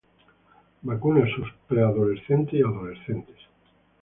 Vacune a sus preadolescentes y adolescentes